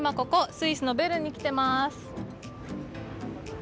スイスのベルンに来ています。